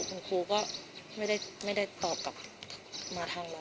คุณครูก็ไม่ได้ตอบกลับมาทางเรา